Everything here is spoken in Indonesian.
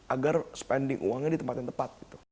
agar spending uangnya di tempat yang tepat